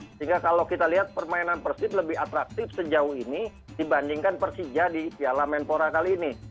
sehingga kalau kita lihat permainan persib lebih atraktif sejauh ini dibandingkan persija di piala menpora kali ini